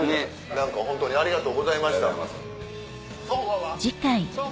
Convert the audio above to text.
何かホントにありがとうございました。